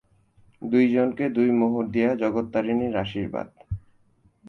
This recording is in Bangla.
দুইজনকে দুই মোহর দিয়া জগত্তারিণীর আশীর্বাদ।